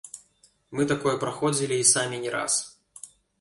Мы такое праходзілі і самі не раз.